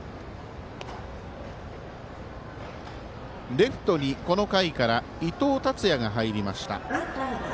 レフトに、この回から伊藤達也が入りました。